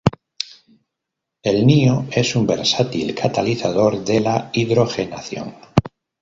El NiO es un versátil catalizador de la hidrogenación.